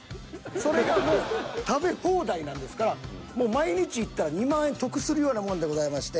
それがもう食べ放題なんですからもう毎日行ったら２万円得するようなもんでございまして。